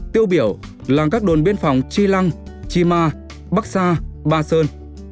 tiêu biểu là các đồn biên phòng chi lăng chi ma bắc sa ba sơn